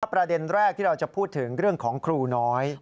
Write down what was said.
ประเด็นแรกที่เราจะพูดถึงเรื่องของครูน้อย